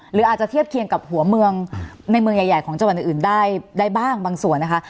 หรืออาจจะเทียบเคียงกับหัวเมืองในเมืองใหญ่ของจังหวัดอื่นได้บ้างบางส่วนนะคะ